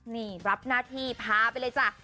นี่รับหน้าที่พาไปเลยจ้ะ